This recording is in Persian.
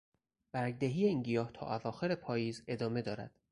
برگدهی این گیاه تا اواخر پاییز ادامه دارد.